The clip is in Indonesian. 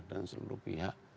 dan seluruh pihak